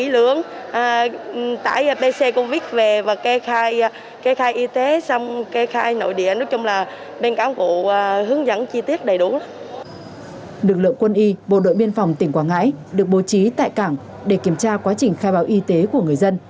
lực lượng quân y bộ đội biên phòng tỉnh quảng ngãi được bố trí tại cảng để kiểm tra quá trình khai báo y tế của người dân